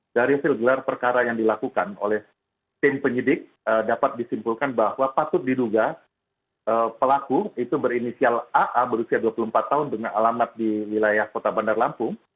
dari hasil gelar perkara yang dilakukan oleh tim penyidik dapat disimpulkan bahwa patut diduga pelaku itu berinisial aa berusia dua puluh empat tahun dengan alamat di wilayah kota bandar lampung